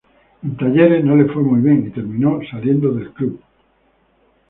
En Talleres no le fue muy bien y terminó saliendo del club.